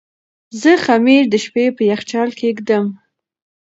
زه خمیر د شپې په یخچال کې ږدم.